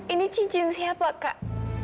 ini cincin siapa kak